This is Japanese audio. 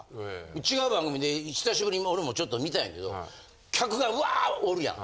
違う番組で久しぶりに俺もちょっと見たんやけど客がうわおるやん。